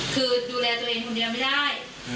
คือดูแลตัวเองคนเดียวไม่ได้